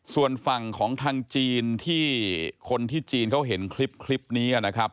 ส่วนฝั่งของทางจีนที่คนที่จีนเขาเห็นคลิปนี้นะครับ